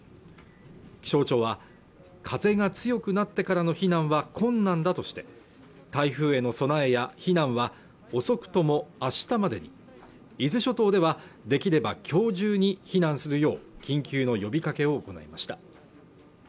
気象庁は風が強くなってからの避難は困難だとして台風への備えや避難は遅くとも明日までに伊豆諸島ではできれば今日中に避難するよう緊急の呼びかけを行いました